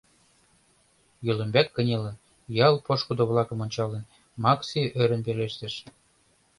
- йол ӱмбак кынелын, ял пошкудо-влакым ончалын, Макси ӧрын пелештыш.